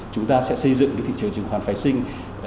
chúng ta sẽ xây dựng thị trường chứng khoán phái sinh